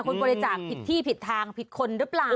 คนบริจาคผิดที่ผิดทางผิดคนหรือเปล่า